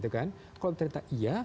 kalau diterita iya